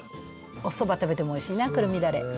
おそば食べても美味しいなくるみダレ。